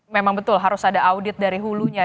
memang betul harus ada audit dari hulunya